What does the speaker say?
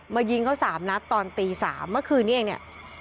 มายินกับ๓นัดตอน๓นาทีกล้อมไม่คือนี้เนี่ย